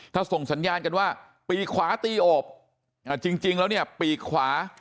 ถ้าส่งสัญญาณกันว่าปีความีฆ่าเปสตร